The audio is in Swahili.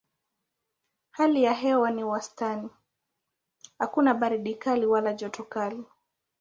Hali ya hewa ni ya wastani: hakuna baridi kali wala joto kali.